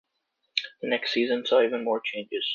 The next season saw even more changes.